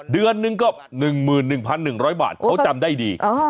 เดือนนึงก็๑๑๑๐๐บาทเขาจำได้ดี